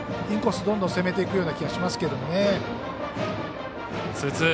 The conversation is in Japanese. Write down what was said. インコース、どんどん攻めていくような気がしますけど。